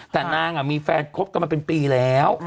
แต่นางมีแฟนคบกันมาเป็นปีแล้ว